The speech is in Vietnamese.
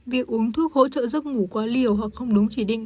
việc uống thuốc hỗ trợ giấc ngủ quá liều hoặc không đúng chỉ định